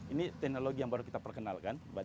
ini teknologi yang baru kita perkenalkan